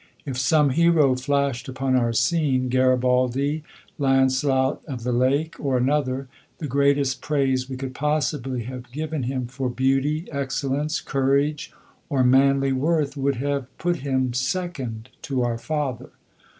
If some hero flashed upon our scene Garibaldi, Lancelot of the Lake, or another the greatest praise we could possibly have given him for beauty, excellence, courage, or manly worth would have put him second to our father.